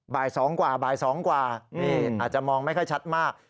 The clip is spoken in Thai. บ่าย๒กว่าบ่าย๒กว่านี่อาจจะมองไม่ค่อยชัดมาก